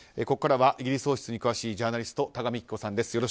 ここからはイギリス王室に詳しいジャーナリスト多賀幹子さんです。